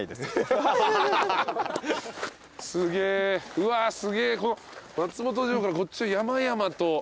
うわすげぇ松本城からこっち山々と。